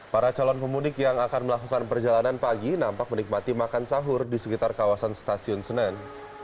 para calon pemudik yang akan melakukan perjalanan pagi nampak menikmati makan sahur di sekitar kawasan stasiun senen